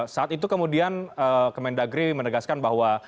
saat itu kemudian kemendagri menegaskan bahwa